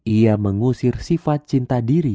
ia mengusir sifat cinta diri